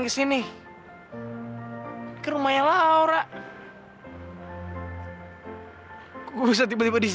dihannya kita beli dia mau munch ke mana atau fox